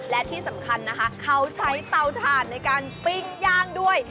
และที่สำคัญนะคะเขาใช้เตาถ่านในการปิ้งย่างด้วย